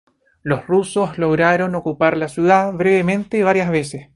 Los rusos lograron ocupar la ciudad brevemente varias veces.